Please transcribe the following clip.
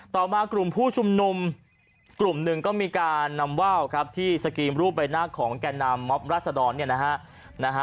ต่อมากลุ่มผู้ชุมนุมกลุ่มหนึ่งก็มีการนำว่าวครับที่สกรีมรูปใบหน้าของแก่นำม็อบรัศดรเนี่ยนะฮะ